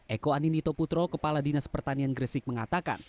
eko aninito putro kepala dinas pertanian gresik mengatakan